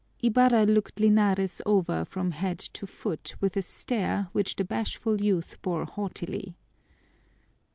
Ibarra looked Linares over from head to foot with a stare which the bashful youth bore haughtily.